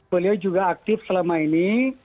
beliau juga aktif selama ini